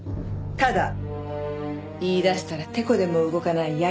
ただ言い出したらてこでも動かない鑓